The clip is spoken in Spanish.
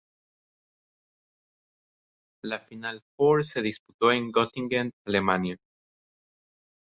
La final four se disputó en Göttingen, Alemania.